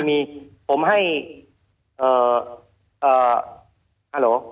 มีผมให้เอ่อเอ่อฮัลโหล